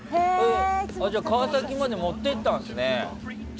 じゃあ、川崎まで持って行ったんですね。